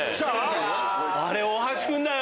あれ大橋君だよ。